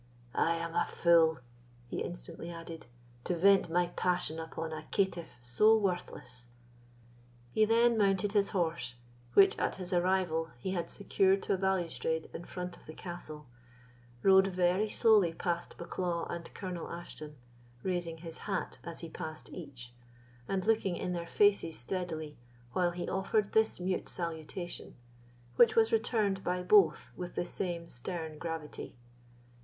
"I am a fool," he instantly added, "to vent my passion upon a caitiff so worthless." He then mounted his horse, which at his arrival he had secured to a balustrade in front of the castle, rode very slowly past Bucklaw and Colonel Ashton, raising his hat as he passed each, and looking in their faces steadily while he offered this mute salutation, which was returned by both with the same stern gravity.